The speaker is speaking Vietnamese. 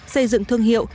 xây dựng thương hiệu